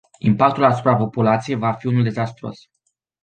Impactul asupra populației va fi unul dezastruos.